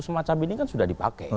semacam ini kan sudah dipakai